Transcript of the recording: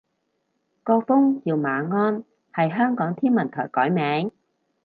個風叫馬鞍，係香港天文台改名